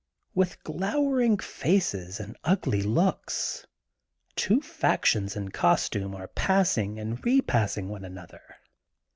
With glowering faces and ugly looks, two factions in costume are passing and re passing one another.